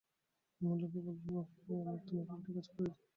অমূল্যকে বললুম, লক্ষ্মী ভাই আমার, তোমাকে একটি কাজ করে দিতে হবে।